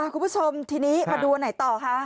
คุณผู้ชมทีนี้มาดูอันไหนต่อคะ